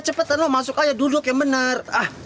cepetan lo masuk aja duduk ya bener